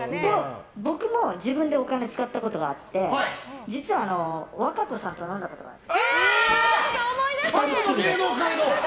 僕も自分でお金使ったことがあって実は、和歌子さんと飲んだことがある。